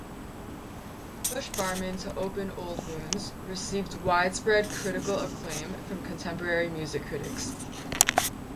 "Push Barman to Open Old Wounds" received widespread critical acclaim from contemporary music critics.